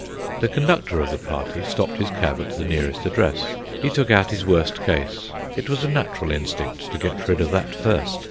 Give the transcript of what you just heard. The conductor of the party stopped his cab at the nearest address. He took out his worst case; it was a natural instinct to get rid of that first.